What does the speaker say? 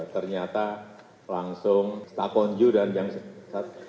ternyata langsung setakon juga dan jam satu